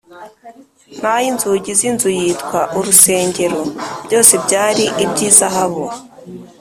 n’ay’inzugi z’inzu yitwa urusengero, byose byari iby’izahabu